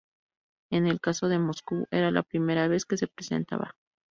En el caso de Moscú, era la primera vez que se presentaba.